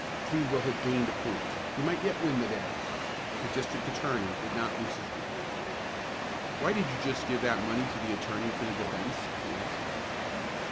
Pleadwell had gained a point; he might yet win the day. But the district attorney would not loose his grip. "Why did you just give that money to the attorney for the defence?" he asked.